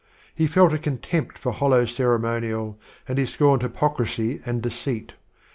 He felt a contempt for hol low ceremonial, and he scorned hypocracy and deceit.